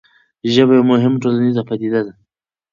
ژبه یوه مهمه ټولنیزه پدیده ده.